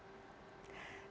demikian semuanya terima kasih